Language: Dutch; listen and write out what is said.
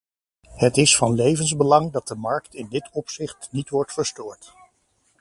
Het is van levensbelang dat de markt in dit opzicht niet wordt verstoord.